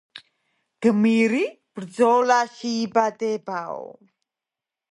გმირი ბრძოლაში იბადებაო